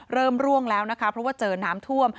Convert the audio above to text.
เริ่มล่วงแล้วเพราะว่าเจอน้ำถ้วม